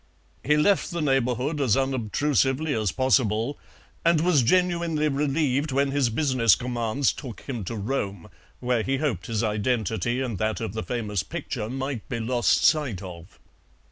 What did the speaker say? He left the neighbourhood as unobtrusively as possible, and was genuinely relieved when his business commands took him to Rome, where he hoped his identity and that of the famous picture might be lost sight of.